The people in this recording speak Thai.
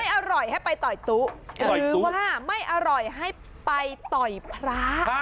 อร่อยให้ไปต่อยตุ๊หรือว่าไม่อร่อยให้ไปต่อยพระ